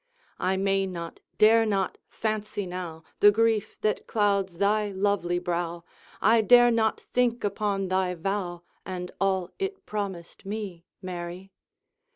I may not, dare not, fancy now The grief that clouds thy lovely brow, I dare not think upon thy vow, And all it promised me, Mary.